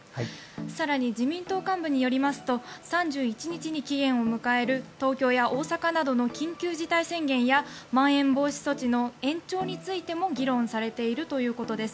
更に、自民党幹部によりますと３１日に期限を迎える東京や大阪などの緊急事態宣言やまん延防止措置の延長についても議論されているということです。